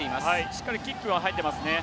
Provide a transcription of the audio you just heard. しっかりキックは入っていますね。